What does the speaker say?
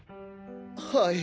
はい。